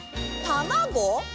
たまご？